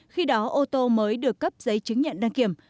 khi đó ô tô mới được cấp giấy chứng nhận đăng kiểm